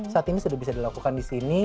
saat ini sudah bisa dilakukan di sini